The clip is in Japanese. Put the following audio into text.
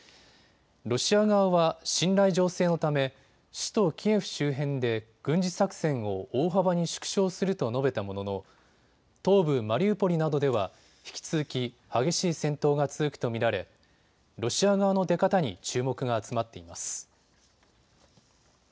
ロシア側は信頼醸成のため首都キエフ周辺で軍事作戦を大幅に縮小すると述べたものの東部マリウポリなどでは引き続き激しい戦闘が続くと見られロシア側の出方に注目が集まっています。